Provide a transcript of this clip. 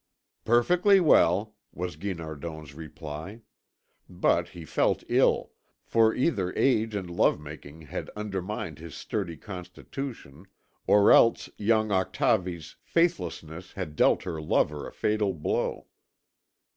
"Perfectly well," was Guinardon's reply; but he felt ill, for either age and love making had undermined his sturdy constitution, or else young Octavie's faithlessness had dealt her lover a fatal blow.